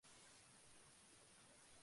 গোসল করে নিই।